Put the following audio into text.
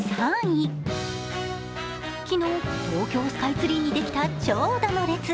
昨日、東京スカイツリーにできた長蛇の列。